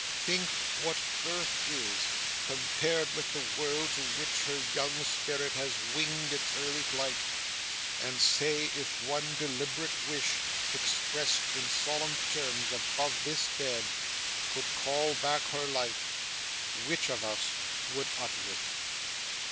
Think what earth is, compared with the World to which her young spirit has winged its early flight; and say, if one deliberate wish expressed in solemn terms above this bed could call her back to life, which of us would utter it!